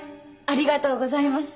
ありがとうございます。